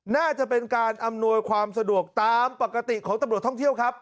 น่าจะเป็นการอำนวยความสะดวกตามปกติของตำรวจท่องเที่ยวครับ